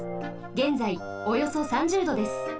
げんざいおよそ３０℃です。